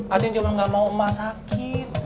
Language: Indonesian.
aceng cuman gak mau emak sakit